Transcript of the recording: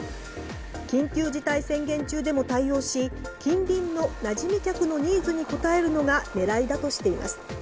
緊急事態宣言中でも対応し近隣のなじみ客のニーズに応えるのが狙いだとしています。